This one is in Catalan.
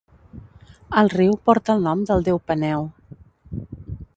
El riu porta el nom del déu Peneu.